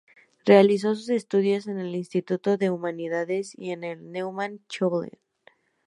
Realizó sus estudios en el Instituto de Humanidades y en el Neumann College.